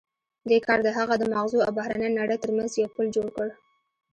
دې کار د هغه د ماغزو او بهرنۍ نړۍ ترمنځ یو پُل جوړ کړ